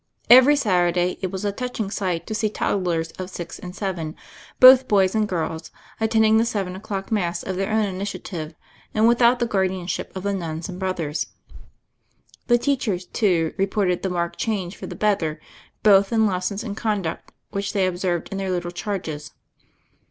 Every Saturday, it was a touching sight to see little toddlers of six and seven, both boys and girls, attending the seven o'clock Mass of their own initiative and with out the guardianship of the nuns and brothers. The teachers, too, reported the marked change for the better, both in lessons and conduct, which they observed in their little charges.